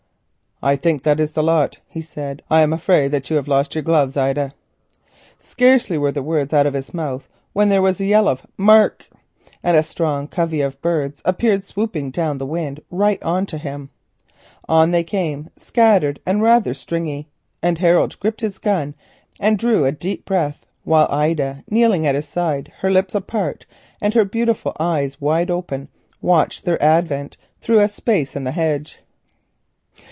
"I think that is the lot," he said; "I'm afraid you have lost your gloves, Ida." Scarcely were the words out of his mouth when there was a yell of "mark!" and a strong covey of birds appeared, swooping down the wind right on to him. On they came, scattered and rather "stringy." Harold gripped his gun and drew a deep breath, while Ida, kneeling at his side, her lips apart, and her beautiful eyes wide open, watched their advent through a space in the hedge.